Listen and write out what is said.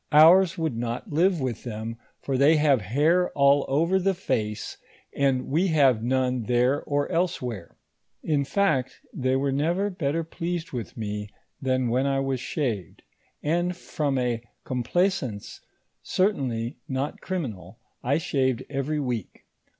Ours would not DISCOVERIES m THE MISSISSIPPI VALLEY. 129 live with thorn, for they have hair all over tho face, and we have none there or elsewhere." In fact, they were never bet ter pleased with mo, than when I was shaved ; and from a complaisance certainly not criminal, I shaved every week.